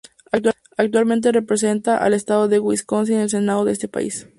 Actualmente representada al estado de Wisconsin en el Senado de ese país.